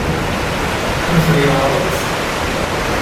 Ad m-ten-yeɛṛeḍ?